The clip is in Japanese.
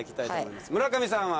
村上さんは？